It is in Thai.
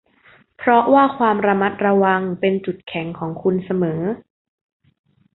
เพราะว่าความระมัดระวังเป็นจุดแข็งของคุณเสมอ